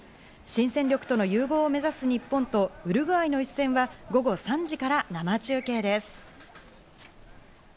新戦力との融合を目指す日本とウルグアイの一戦は、午後３時から生中継です。